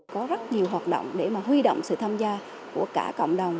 có rất nhiều hoạt động để mà huy động sự tham gia của cả cộng đồng